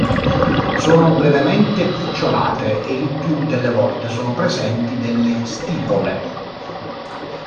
Sono brevemente picciolate e il più delle volte sono presenti delle stipole.